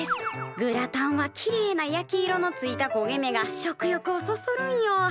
グラタンはきれいな焼き色のついたこげ目が食欲をそそるんよ。